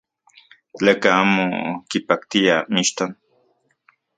Tleka amo kipaktia mixton.